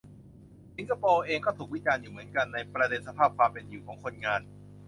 สิงคโปร์เองก็ถูกวิจารณ์อยู่เหมือนกัน ในประเด็นสภาพความเป็นอยู่ของคนงาน